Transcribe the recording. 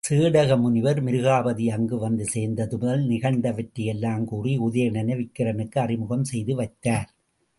சேடக முனிவர் மிருகாபதி அங்கு வந்து சேர்ந்தது முதல் நிகழ்ந்தவற்றையெல்லாம் கூறி, உதயணனை விக்கிரனுக்கு அறிமுகம் செய்து வைத்தார்.